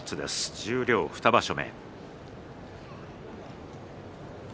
十両２場所目。